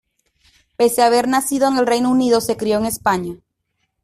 Pese a haber nacido en el Reino Unido, se crió en España.